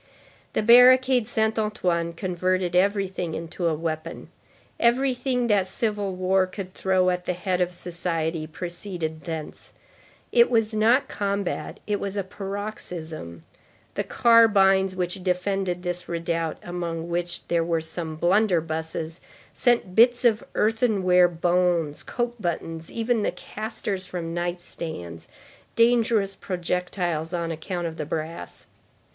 The barricade Saint Antoine converted everything into a weapon; everything that civil war could throw at the head of society proceeded thence; it was not combat, it was a paroxysm; the carbines which defended this redoubt, among which there were some blunderbusses, sent bits of earthenware bones, coat buttons, even the casters from night stands, dangerous projectiles on account of the brass.